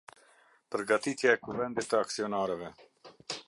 Përgatitja e Kuvendit të Aksionarëve.